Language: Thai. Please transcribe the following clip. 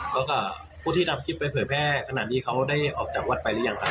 ก็ค่ะผู้ที่ทำคลิปเผยเผยแพร่ขนาดนี้เขาได้ออกจากวัดไปหรือยังค่ะ